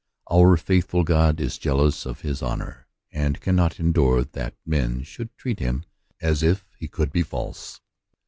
Our faithful God is jealous of his honor, and cannot endure that men should treat him as if he could be false.